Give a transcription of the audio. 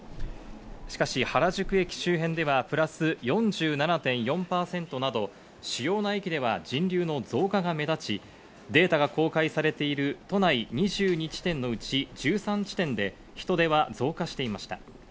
しかし原宿駅周辺ではプラス４７．４％など主要な駅では人流の増加が目立ち、データが公開されている都内２２地点のうち１３地点で人出は増加していました。